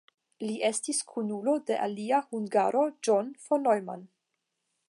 Li estis kunulo de alia hungaro John von Neumann.